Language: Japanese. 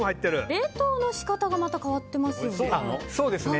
冷凍の仕方がまた変わっていますよね。